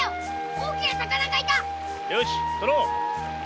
大きな魚がいたよし取ろう。